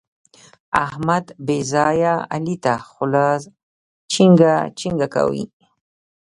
احمد بې ځايه علي ته خوله چينګه چینګه کوي.